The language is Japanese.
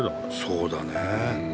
そうだね。